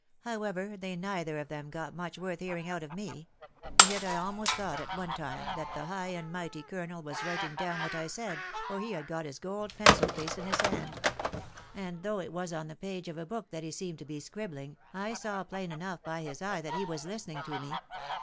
... However, they neither of them got much worth hearing out of me ; and yet I almost thought at one time that the high and mighty colonel was writing down what I said, for he had got his gold pencil case in his hand ; and though it was orf the page of a book that he seemed to be scribbling, I saw plain enough by his eye that he was listening to me.